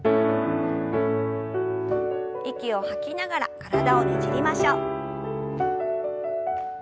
息を吐きながら体をねじりましょう。